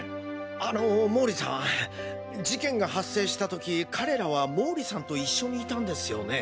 あの毛利さん事件が発生したとき彼らは毛利さんと一緒にいたんですよね。